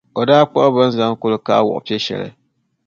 o daa kpuɣi bɛ ni zaŋ kulikaɣa wuɣi piɛ’ shɛli.